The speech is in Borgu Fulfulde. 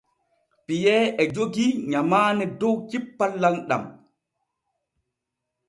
Piyee e jogii nyamaane dow cippal lamɗam.